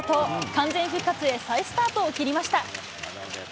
完全復活へ、再スタートを切りました。